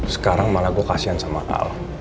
sekarang malah gue kasihan sama al